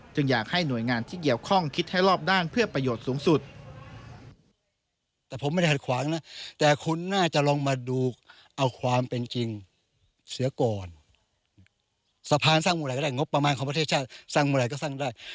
อยากให้หน่วยงานที่เกี่ยวข้องคิดให้รอบด้านเพื่อประโยชน์สูงสุด